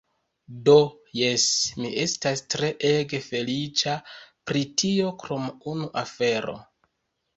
Do, jes, mi estas tre ege feliĉa pri tio krom unu afero!